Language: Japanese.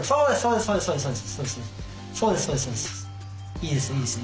いいですいいです。